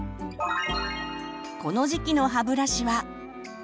この時期の歯ブラシは。